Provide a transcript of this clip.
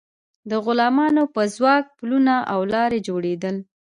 د غلامانو په ځواک پلونه او لارې جوړیدل.